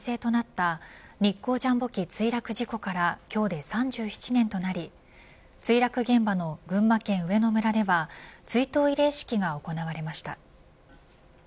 乗客乗員５２０人が犠牲となった日航ジャンボ機墜落事故から今日で３７年となり墜落現場の群馬県上野村では追悼慰霊式が行われました。